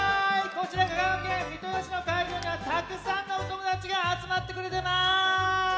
こちら香川県三豊市のかいじょうにはたくさんのおともだちがあつまってくれてます！